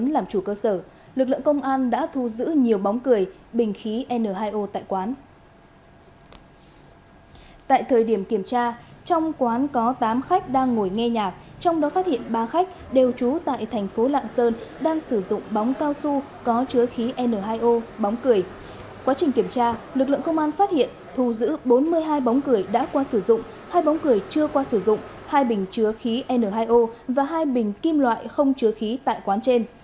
lực lượng công an phát hiện thù giữ bốn mươi hai bóng cửa đã qua sử dụng hai bóng cửa chưa qua sử dụng hai bình chứa khí n hai o và hai bình kim loại không chứa khí tại quán trên